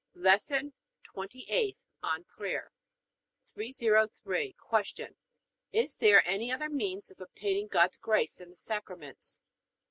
LESSON TWENTY EIGHTH ON PRAYER 303. Q. Is there any other means of obtaining God's grace than the Sacraments?